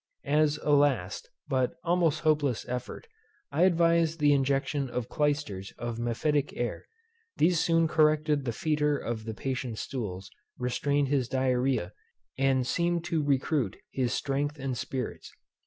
As a last, but almost hopeless, effort, I advised the injection of clysters of mephitic air. These soon corrected the foetor of the patient's stools; restrained his Diarrhoea; and seemed to recruit his strength and spirits.